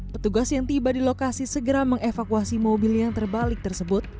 petugas yang tiba di lokasi segera mengevakuasi mobil yang terbalik tersebut